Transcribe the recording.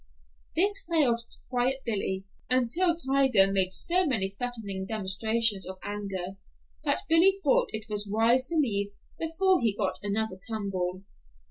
This failed to quiet Bill, who kept on crying until Tiger made so many threatening demonstrations of anger, that Bill thought it was wise to leave before he got another tumble.